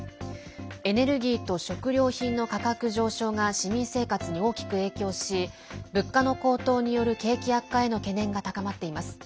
エネルギーと食料品の価格上昇が市民生活に大きく影響し物価の高騰による景気悪化への懸念が高まっています。